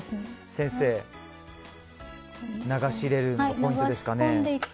先生、流し入れるのがポイントですね。